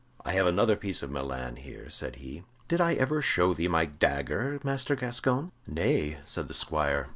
"I have another piece of Milan here," said he. "Did I ever show thee my dagger, Master Gascoyne?" "Nay," said the squire.